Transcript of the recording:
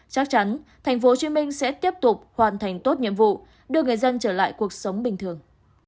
chắc chắn thành phố hồ chí minh sẽ tiếp tục hoàn thành tốt nhiệm vụ đưa người dân trở lại cuộc sống bình thường